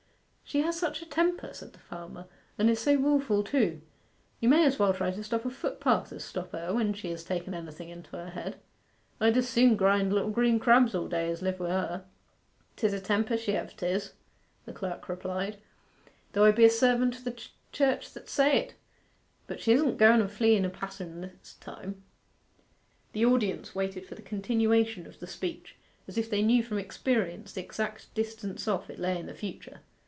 'She has such a temper,' said the farmer, 'and is so wilful too. You may as well try to stop a footpath as stop her when she has taken anything into her head. I'd as soon grind little green crabs all day as live wi' her.' ''Tis a temper she hev, 'tis,' the clerk replied, 'though I be a servant of the Church that say it. But she isn't goen to flee in a passion this time.' The audience waited for the continuation of the speech, as if they knew from experience the exact distance off it lay in the future.